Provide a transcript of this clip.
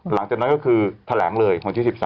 หลังจากนั้นก็คือแถลงเลยวันที่๑๓